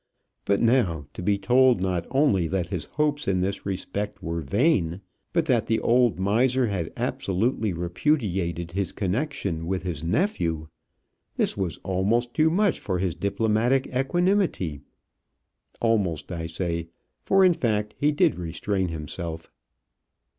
But now to be told not only that his hopes in this respect were vain, but that the old miser had absolutely repudiated his connection with his nephew! This was almost too much for his diplomatic equanimity. Almost, I say; for in fact he did restrain himself.